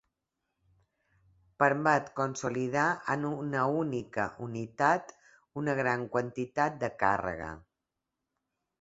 Permet consolidar en una única unitat una gran quantitat de càrrega.